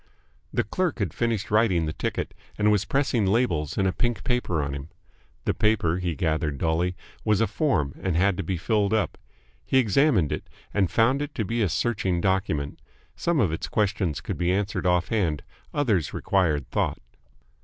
The clerk had finished writing the ticket, and was pressing labels and a pink paper on him. The paper, he gathered dully, was a form and had to be filled up. He examined it, and found it to be a searching document. Some of its questions could be answered off hand, others required thought.